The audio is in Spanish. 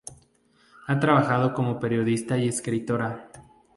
Ha trabajado como periodista y escritora.